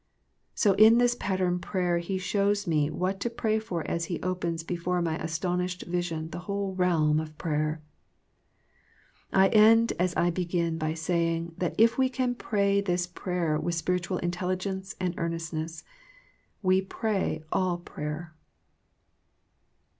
So in this pattern prayer He shows me what to pray for as He opens before my astonished vision the whole realm of prayer. I end as I begin by saying that if we can pray this prayer with spir itual intelligence and earnestness we pray all prayer.